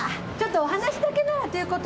お話だけならということで。